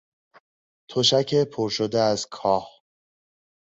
تشک پرشده از کاه